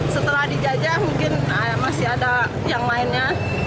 setelah dijajah mungkin masih ada yang lainnya